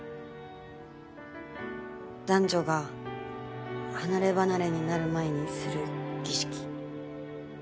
男女が離れ離れになる前にする儀式。